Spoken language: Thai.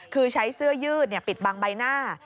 คือใช้เสื้อยืดปิดบังใบหน้า